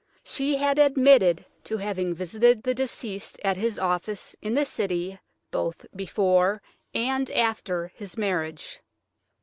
She had admitted to having visited the deceased at his office in the City, both before and after his marriage.